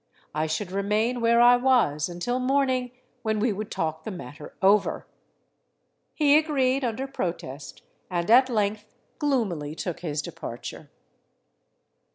I should remain where I was until morning, when we would talk the matter over. He agreed under pro test, and at length gloomily took his departure.